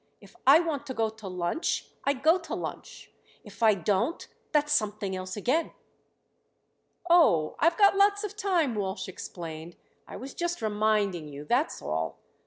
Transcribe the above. "If I want to go to lunch I go to lunch; if I don't that's something else again." "Oh, I've got lots of time," Walsh explained. "I was just reminding you, that's all.